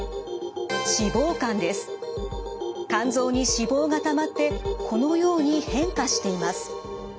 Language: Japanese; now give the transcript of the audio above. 肝臓に脂肪がたまってこのように変化しています。